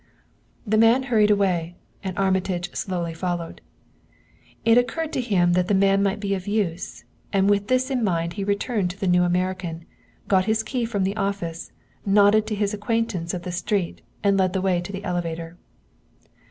The man hurried away, and Armitage slowly followed. It occurred to him that the man might be of use, and with this in mind he returned to the New American, got his key from the office, nodded to his acquaintance of the street and led the way to the elevator.